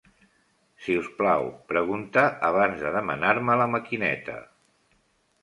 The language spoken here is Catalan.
Si us plau, pregunta abans de demanar-me la maquineta.